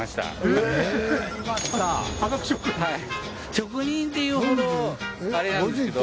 職人っていうほどあれなんですけど。